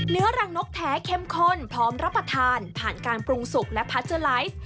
รังนกแท้เข้มข้นพร้อมรับประทานผ่านการปรุงสุกและพาเจอร์ไลฟ์